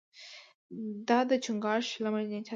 دا د چنګاښ شلمه نېټه ده.